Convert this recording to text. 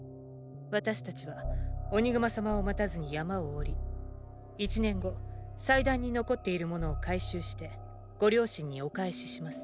私たちはオニグマ様を待たずに山を下り１年後祭壇に残っているものを回収してご両親にお還しします。